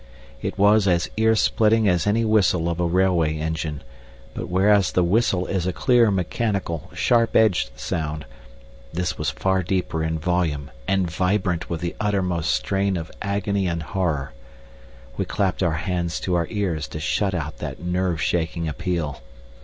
It was as ear splitting as any whistle of a railway engine; but whereas the whistle is a clear, mechanical, sharp edged sound, this was far deeper in volume and vibrant with the uttermost strain of agony and horror. We clapped our hands to our ears to shut out that nerve shaking appeal.